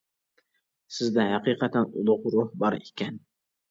سىزدە ھەقىقەتەن ئۇلۇغ روھ بار ئىكەن!